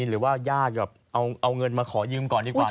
หรือได้ยากเอาเงินมาขอยืมก่อนก็ดีกว่า